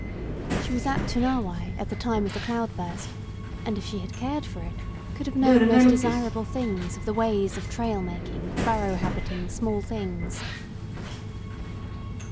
She was at Ttmawai at the time of the cloud burst, and if she had cared for it could have known most desirable things of the ways of trail making, burrow habiting small things.